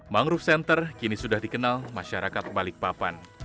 mangrove center kini sudah dikenal masyarakat balikpapan